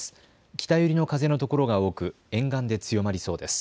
北寄りの風のところが多く沿岸で強まりそうです。